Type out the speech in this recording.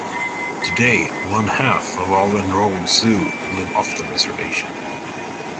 Today, one half of all enrolled Sioux live off the Reservation.